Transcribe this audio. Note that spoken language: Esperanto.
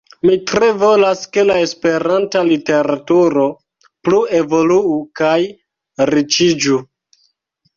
Mi tre volas, ke la Esperanta literaturo plu evoluu kaj riĉiĝu.